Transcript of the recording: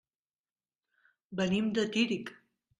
Venim de Tírig.